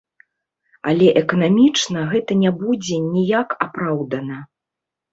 Але эканамічна гэта не будзе ніяк апраўдана.